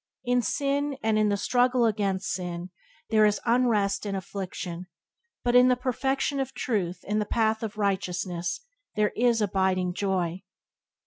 In sin, and in the struggle against sin, there is unrest and affliction, but in the perfection of Truth, in the path of Righteousness, there is abiding joy.